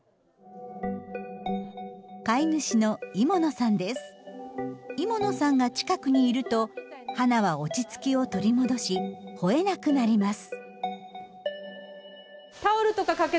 飼い主の伊茂野さんが近くにいるとハナは落ち着きを取り戻しほえなくなります。